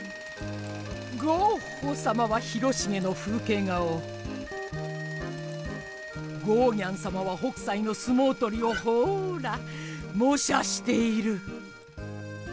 ゴッホさまは広重の風けい画をゴーギャンさまは北斎の相撲取りをほら模写している。